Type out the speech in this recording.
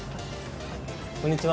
こんにちは。